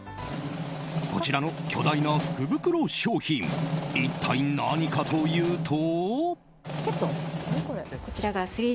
こちらの巨大福袋商品一体何かというと。